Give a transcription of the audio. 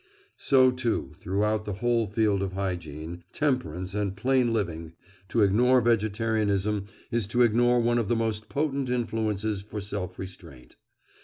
So, too, throughout the whole field of hygiene, temperance, and plain living, to ignore vegetarianism is to ignore one of the most potent influences for self restraint.